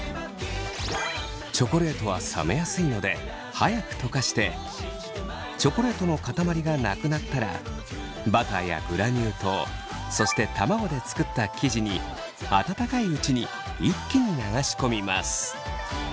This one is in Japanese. チョコレートは冷めやすいので早く溶かしてチョコレートの塊がなくなったらバターやグラニュー糖そして卵で作った生地に温かいうちに一気に流し込みます。